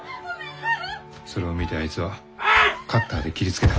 それを見たあいつはカッターで切りつけた。